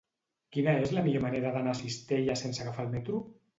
Quina és la millor manera d'anar a Cistella sense agafar el metro?